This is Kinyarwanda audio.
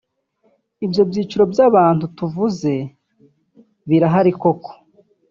Ibyo byiciro by’abantu tuvuze birahari koko